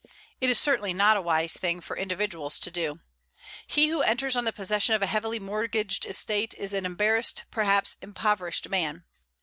It is certainly not a wise thing for individuals to do. He who enters on the possession of a heavily mortgaged estate is an embarrassed, perhaps impoverished, man.